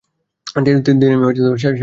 তিনি সাবেক Olympic champion.